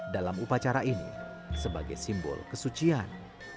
dalam upacara ini sebagai simbol kesucian